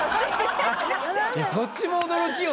そっちも驚きよね。